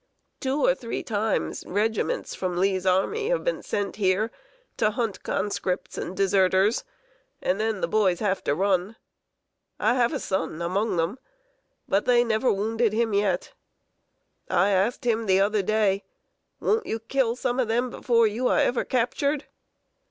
Two or three times, regiments from Lee's army have been sent here to hunt conscripts and deserters, and then the boys have to run. I have a son among them; but they never wounded him yet. I asked him the other day: 'Won't you kill some of them before you are ever captured?'